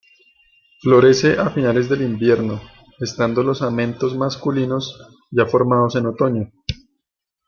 Florece a finales del invierno, estando los amentos masculinos ya formados en otoño.